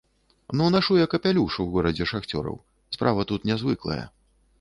Ну нашу я капялюш у горадзе шахцёраў, справа тут нязвыклая.